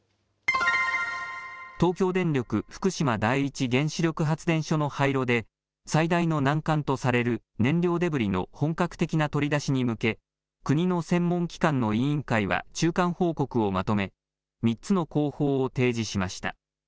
東京電力福島第一原子力発電所の廃炉で、最大の難関とされる燃料デブリの本格的な取り出しに向け、国の専門機関の委員会は、中間報告をまとめ、３つの工法を提示しました。